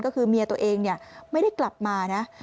ก็คือเมียตัวเองไม่ได้กลับมานะ